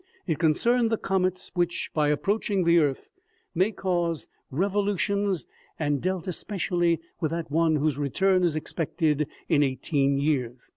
It concerned the comets which, by approaching the earth, may cause revolutions. 152 OMEGA. and dealt especially with that one whose return is expected in eighteen years.